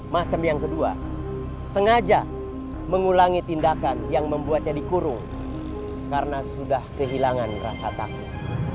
macam yang kedua sengaja mengulangi tindakan yang membuatnya dikurung karena sudah kehilangan rasa takut